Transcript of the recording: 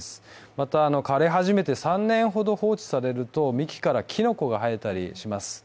また枯れ始めて３年ほど放置されると幹からきのこが生えたりします。